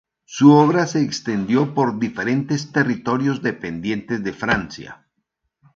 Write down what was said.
Su obra se extendió por diferentes territorios dependientes de Francia.